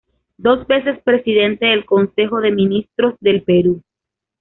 Dos veces Presidente del Consejo de Ministros del Perú.